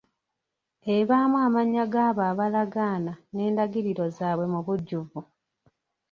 Ebaamu amannya g'abo abalagaana n'endagiriro zaabwe mu bujjuvu.